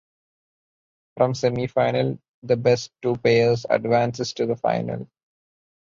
From semifinal the best two pairs advances to the final.